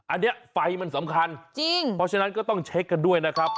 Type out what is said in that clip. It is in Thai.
อันนี้ไฟมันสำคัญจริงเพราะฉะนั้นก็ต้องเช็คกันด้วยนะครับ